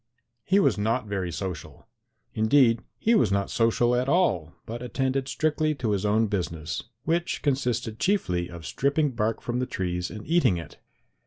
He was not very social. Indeed, he was not social at all, but attended strictly to his own business, which consisted chiefly of stripping bark from the trees and eating it.